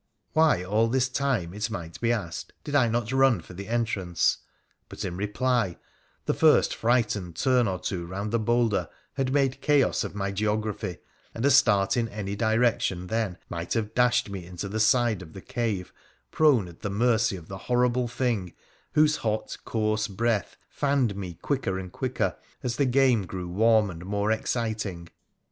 Why, all this time, it may be asked, did I not run for the entrance? But, in reply, the first frightened turn or two round the boulder had made chaos of my geography, and a start in any direction then might have dashed me into the side of the cave prone at the mercy of the horrible thing, whose hot coarse breath fanned me quicker and quicker, as the game grew warm and more exciting.